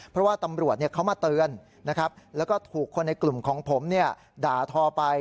เพราะว่าตำรวจเขามาเตือนนะครับแล้วก็ถูกคนในกลุ่มของผมด่าทอไป